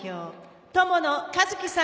友野一希さん。